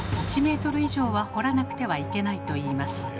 １ｍ以上は掘らなくてはいけないといいます。